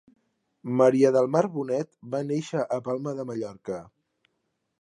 Maria del Mar Bonet, va néixer a Palma de Mallorca.